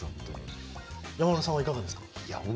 山村さんはいかがですか？